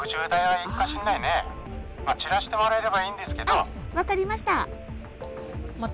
あっ分かりました。